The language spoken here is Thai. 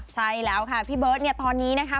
ใช่แล้วค่ะพี่เบิร์ตเนี่ยตอนนี้นะคะ